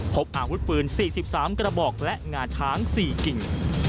พบอาวุธปืน๔๓กระบอกและงาช้าง๔กิ่ง